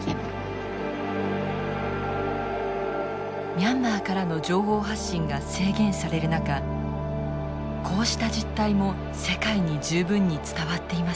ミャンマーからの情報発信が制限される中こうした実態も世界に十分に伝わっていません。